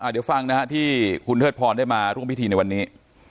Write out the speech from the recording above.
เดี๋ยวฟังนะฮะที่คุณเทิดพรได้มาร่วมพิธีในวันนี้